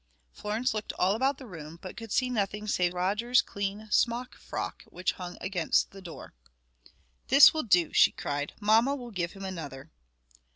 Florence looked all about the room, but could see nothing save Roger's clean smock frock which hung against the door. "This will do!" she cried. "Mamma will give him another."